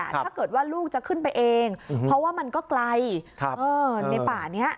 ถ้าเกิดว่าลูกจะขึ้นไปเองเพราะว่ามันก็ไกลในป่านี้